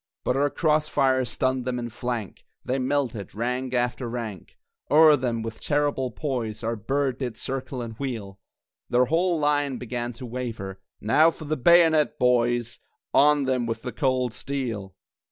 But our cross fire stunned them in flank, They melted, rank after rank (O'er them, with terrible poise, Our Bird did circle and wheel!) Their whole line began to waver Now for the bayonet, boys! On them with the cold steel!